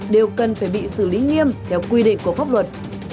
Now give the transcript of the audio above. đều cần phải bị xử lý nghiêm theo quy định của pháp luật